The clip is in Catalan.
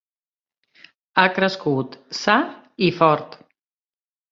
Ha crescut sa i fort.